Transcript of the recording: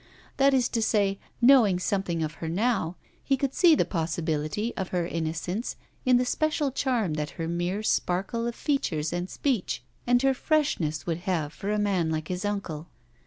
That is to say, knowing something of her now, he could see the possibility of her innocence in the special charm that her mere sparkle of features and speech, and her freshness would have for a man like his uncle.